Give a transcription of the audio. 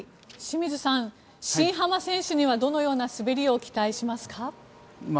清水さん、新濱選手にはどのような滑りを期待しますか？